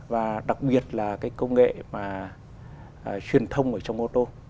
và đặc biệt là công nghệ truyền thông trong ô tô